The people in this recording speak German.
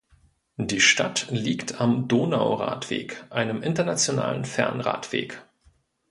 Die Stadt liegt am Donauradweg, einem internationalen Fernradweg.